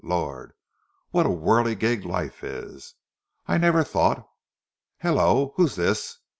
Lor', what a whirligig life is. I never thought Hallo! Who's this?